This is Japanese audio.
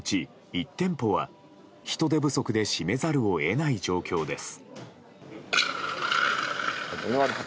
１店舗は人手不足で閉めざるを得ない状況です。